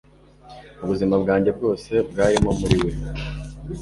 Ubuzima bwanjye bwose bwarimo muri we